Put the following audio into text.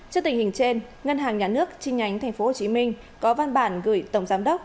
trước tình hình trên ngân hàng nhà nước chi nhánh tp hcm có văn bản gửi tổng giám đốc